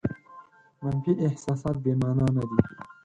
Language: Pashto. منفي احساسات بې مانا نه دي.